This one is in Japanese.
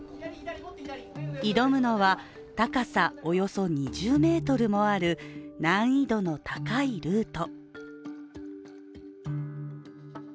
挑むのは高さおよそ２０ｍもある難易度の高いルート。